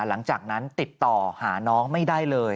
หลังจากนั้นติดต่อหาน้องไม่ได้เลย